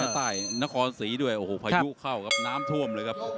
ใต้นครศรีด้วยโอ้โหพายุเข้าครับน้ำท่วมเลยครับ